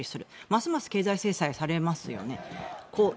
ますます経済制裁されますよね。